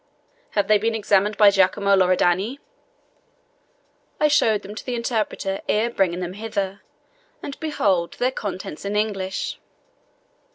"Have they been examined by Giacomo Loredani?" "I showed them to the interpreter ere bringing them hither, and behold their contents in English."